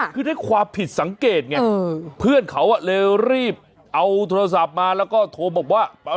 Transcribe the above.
คือด้วยความผิดสังเกตไงเพื่อนเขาเลยรีบเอาโทรศัพท์มาแล้วก็โทรบอกว่า